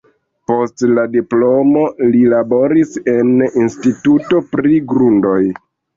Post la diplomo li laboris en instituto pri grundoj.